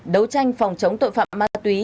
đấu tranh phòng chống tội phạm ma túy